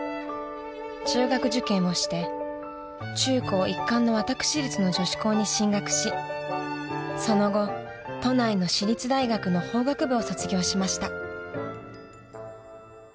［中学受験をして中高一貫の私立の女子校に進学しその後都内の私立大学の法学部を卒業しました］